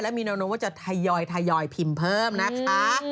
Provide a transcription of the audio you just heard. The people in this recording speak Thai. และมีแนวว่าจะถยอยพิมพ์เพิ่มนะคะ